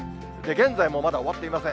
現在もまだ終わっていません。